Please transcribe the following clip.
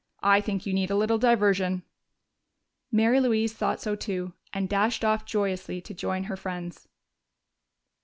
I think you need a little diversion." Mary Louise thought so too, and dashed off joyously to join her friends.